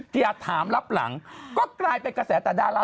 อย่าถามรับหลังก็กลายเป็นกระแสแต่ดารา